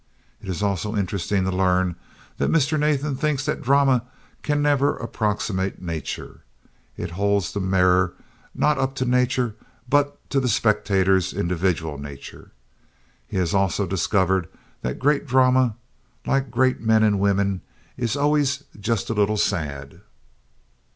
It is also interesting to learn that Mr. Nathan thinks that the drama can never approximate nature. "It holds the mirror not up to nature but to the spectator's individual nature." He has also discovered that "great drama, like great men and women, is always just a little sad."